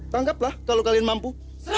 tangkaplah kalau kalian mampu